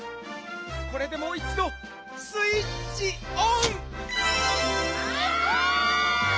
これでもういちどスイッチオン！わ！